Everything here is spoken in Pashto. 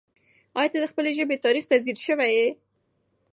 آیا ته د خپلې ژبې تاریخ ته ځیر سوی یې؟